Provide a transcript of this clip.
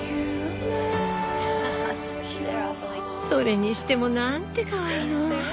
それにしてもなんてかわいいの！